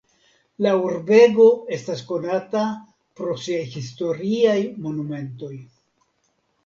La urbego estas konata pro siaj historiaj monumentoj.